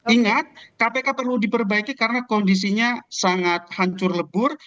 ingat kpk perlu diperbaiki karena kondisinya sangat hancur lebur